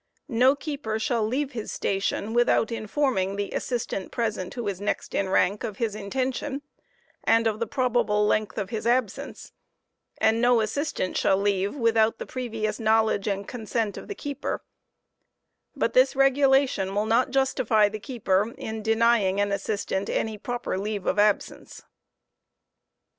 No keeper shall leave his station without informing the assistant voire on aaaiat ■ J; ° ant j ttIjoji, present who is next in rank of his intention, and of the probable length of his absence; and no assistant shall leave without thd previous knowledge and consent of the keeper; hut this regulation will not justify the keeper in denying an assistant any proper leave of absence.